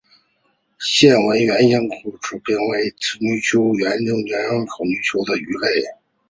线纹原缨口鳅为平鳍鳅科原缨口鳅属的鱼类。